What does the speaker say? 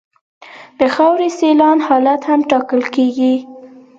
د خاورې سیلان حالت هم ټاکل کیږي